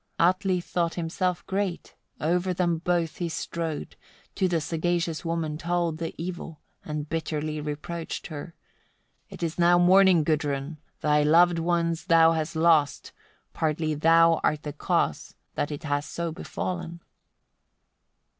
64. Atli thought himself great: over them both he strode, to the sagacious woman told the evil, and bitterly reproached her. "It is now morning, Gudrun! thy loved ones thou hast lost; partly thou art the cause that it has so befallen."